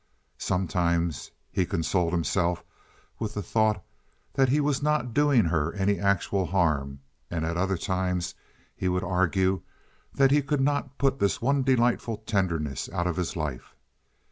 Sometimes he consoled himself with the thought that he was not doing her any actual harm, and at other times he would argue that he could not put this one delightful tenderness out of his life.